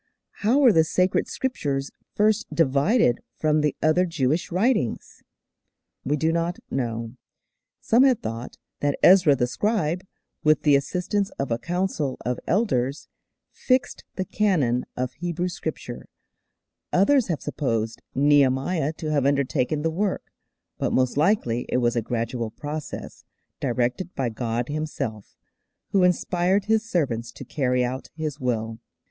How were the sacred Scriptures first divided from the other Jewish writings? We do not know. Some have thought that Ezra the scribe, with the assistance of a council of elders, fixed the canon of Hebrew Scripture; others have supposed Nehemiah to have undertaken the work; but most likely it was a gradual process, directed by God Himself, who inspired His servants to carry out His will.